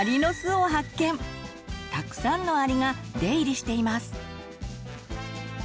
たくさんのアリが出入りしています。